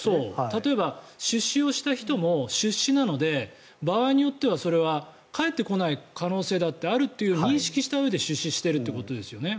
例えば出資をした人も出資なので場合によってはそれは返ってこない可能性もあるという認識したうえで出資してるってことですよね。